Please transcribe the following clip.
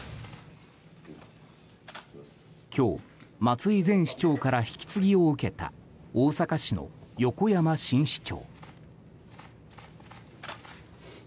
今日、松井前市長から引き継ぎを受けた大阪市の横山新市長。